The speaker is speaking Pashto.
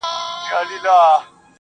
په دې اړه چا ته اجازه ورکړي که نه